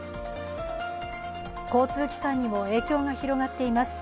交通機関にも影響が広がっています。